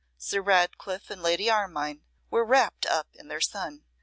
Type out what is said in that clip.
Sir Ratcliffe and Lady Armine were wrapped up in their son.